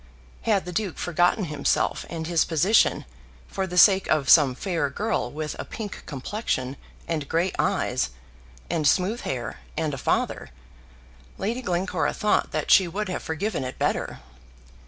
Had the Duke forgotten himself and his position for the sake of some fair girl with a pink complexion and grey eyes, and smooth hair, and a father, Lady Glencora thought that she would have forgiven it better.